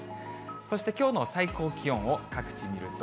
そしてきょうの最高気温を各地、見ると。